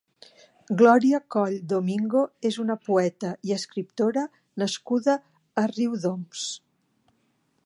Glòria Coll Domingo és una poeta i escriptora nascuda a Riudoms.